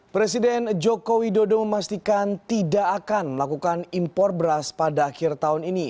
presiden joko widodo memastikan tidak akan melakukan impor beras pada akhir tahun ini